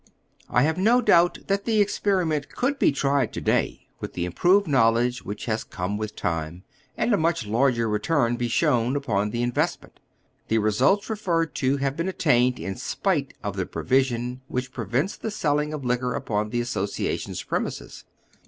I have no doubt that the experiment could bo tried to day with the improved knowledge which has come with time, and a much Jai'ger oy Google HOW THE CASE STANDS. 291 retnm be shown upon tlie investment. The resnlts re ferred to have been attained in spite of the provision which prevents the sehing of liquor upon tlie Association's premises.